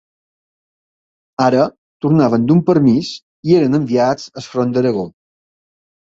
Ara tornaven d'un permís i eren enviats al front d'Aragó